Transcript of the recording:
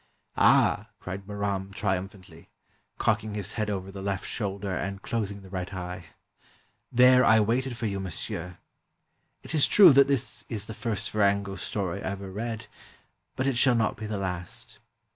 "Ah," cried Bahram triumphantly, cocking his head over the left shoulder and closing the right eye, " there I waited for you, monsieur! It is true that this is the first Firango story I ever read, but it shall not be the last.